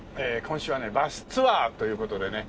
今週はバスツアーという事でね。